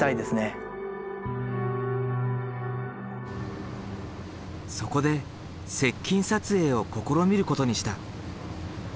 そこで接近撮影を試みることにした。